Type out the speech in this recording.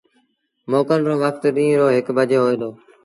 موڪل رو وکت ڏيٚݩهݩ رو هڪ بجي هوئي دو۔